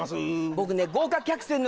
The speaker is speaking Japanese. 僕ね。